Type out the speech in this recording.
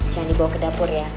yang dibawa ke dapur ya